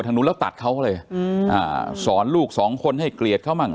นู้นแล้วตัดเขาเลยอืมอ่าสอนลูกสองคนให้เกลียดเขามั่ง